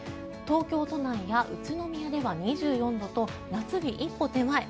東京都内や宇都宮では２４度と夏日一歩手前。